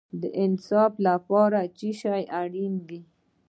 د انصاف لپاره څه شی اړین دی؟